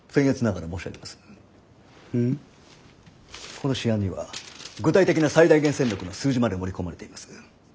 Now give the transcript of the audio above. この私案には具体的な最大限戦力の数字まで盛り込まれています。